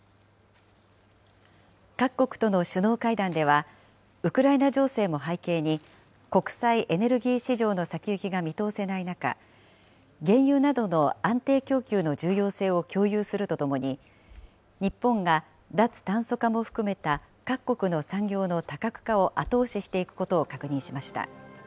各国との首脳会談では、ウクライナ情勢も背景に、国際エネルギー市場の先行きが見通せない中、原油などの安定供給の重要性を共有するとともに、日本が脱炭素化も含めた各国の産業の多角化を後押ししていくことを確認しました。